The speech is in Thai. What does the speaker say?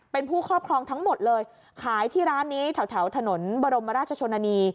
เป็นผู้ครอบครองทั้งหมดเลยขายที่ร้านนี้แถวถนนบรมราชชนนานี